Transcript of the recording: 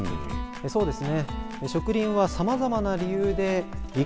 そうですね。